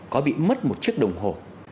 có bị mất một chiếc đồng hồ